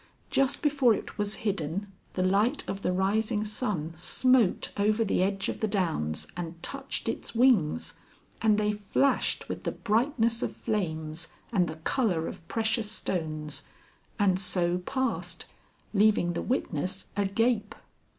Just before it was hidden, the light of the rising sun smote over the edge of the downs and touched its wings, and they flashed with the brightness of flames and the colour of precious stones, and so passed, leaving the witness agape.